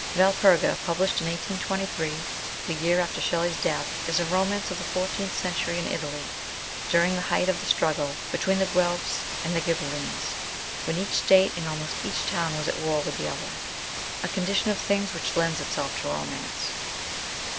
Valperga, published in 1823, the year after Shelley's death is a romance of the 14th century in Italy, during the height of the struggle between the Guelphs and the Ghibellines, when each state and almost each town was at war with the other ; a condition of things which lends itself to romance.